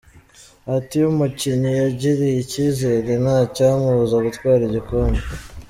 ati ” Iyo umukinnyi yigiriye icyizere nta cyamubuza gutwara igikombe.